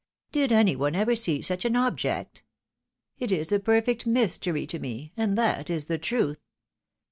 Did any one ever see such an object ? It is a perfect mystery to me ; and that is the truth."